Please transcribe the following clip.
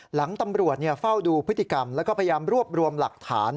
หลังตำรวจเฝ้าดูพฤติกรรมแล้วก็พยายามรวบรวมหลักฐาน